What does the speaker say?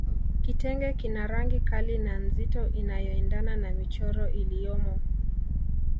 Kitenge kina rangi kali na nzito inayoendana na michoro iliyomo